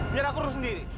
biar aku urus sendiri